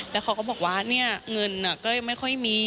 แล้วเขาก็บอกว่าเนี่ยเงินก็ไม่ค่อยมี